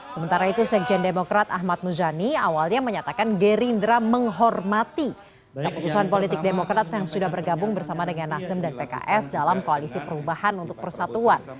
sementara itu sekjen demokrat ahmad muzani awalnya menyatakan gerindra menghormati keputusan politik demokrat yang sudah bergabung bersama dengan nasdem dan pks dalam koalisi perubahan untuk persatuan